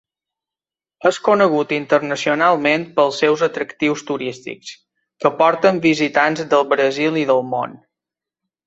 És conegut internacionalment pels seus atractius turístics, que porten visitants del Brasil i del món.